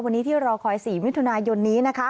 วันนี้ที่รอคอย๔มิถุนายนนี้นะคะ